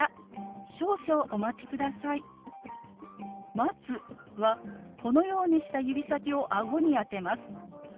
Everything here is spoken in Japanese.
「待つ」はこのようにした指先を顎に当てます。